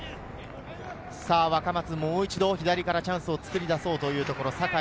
若松がもう一度左からチャンスを作り出そうというところ。